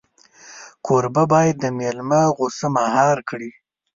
کوربه باید د مېلمه غوسه مهار کړي.